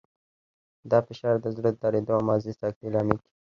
دا فشار د زړه د دریدو او مغزي سکتې لامل کېږي.